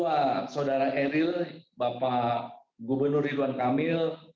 bapak saudara eril bapak gubernur ridwan kamil